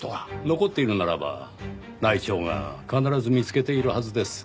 残っているならば内調が必ず見つけているはずです。